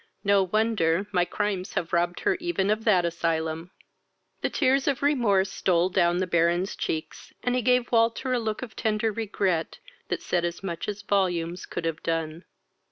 No wonder my crimes have robbed her even of that asylum." The tears of remorse stole down the Baron's cheeks, and he gave Walter a look of tender regret, that said as much as volumes could have done.